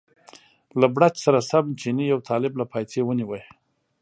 له بړچ سره سم چیني یو طالب له پایڅې ونیوه.